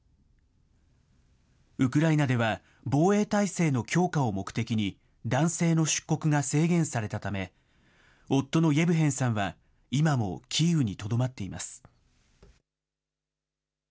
ウクライナでは防衛態勢の強化を目的に、男性の出国が制限されたため、夫のイェブヘンさんは今もキーウにとどまっています。